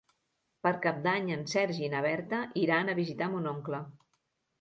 Per Cap d'Any en Sergi i na Berta iran a visitar mon oncle.